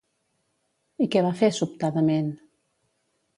I què va fer, sobtadament?